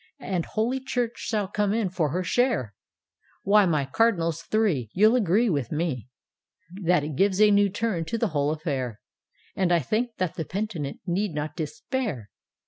And Holy Church shall come in for her share, — Why, my Cardinals three. You'll agree With me, That it gives a new turn to the whole aflair, And I think that the Penitent need not despair!